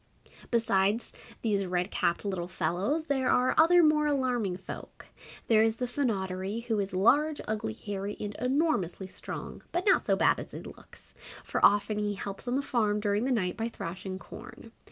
Besides these red capped Little Fellows there are other more alarming folk. There is the Fynoderee, who is large, ugly, hairy and enormously strong, but not so bad as he looks, for often he helps on the farm during the night by thrashing corn.